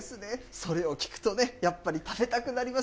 それを聞くとね、やっぱり食べたくなります。